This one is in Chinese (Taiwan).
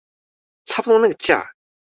差不多那個價